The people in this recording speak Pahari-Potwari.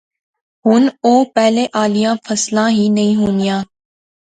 ہُن اوہ پہلے آلیاں فصلاں ہی نی ہونیاں